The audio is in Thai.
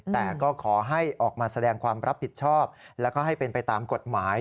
แต่ก็ขอให้ออกมาแสดงความรับผิดชอบแล้วก็ให้เป็นไปตามกฎหมาย